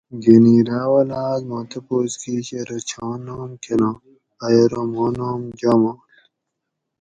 گۤھنیرہ اولہ آۤس ما تپوس کِیش ارو چھاں نام کۤناں؟ ائی ارو ماں نام جاماڷ